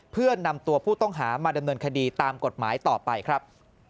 เพื่อนำตัวผู้ต้องหามาดำเนินคดีตามกฎหมายต่อไปครับ